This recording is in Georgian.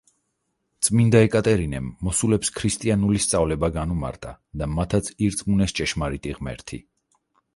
წმინდა ეკატერინემ მოსულებს ქრისტიანული სწავლება განუმარტა და მათაც ირწმუნეს ჭეშმარიტი ღმერთი.